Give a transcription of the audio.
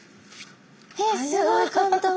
えすごい簡単。